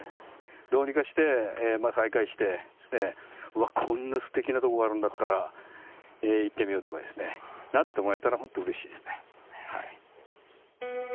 どうにかして再開して、うわ、こんなすてきな所があるんだったら行ってみようとか、なってもらえたら本当にうれしいですね。